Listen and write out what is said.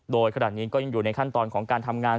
โดยขนาดนี้ก็ยังอยู่ในขั้นตอนของการทำงาน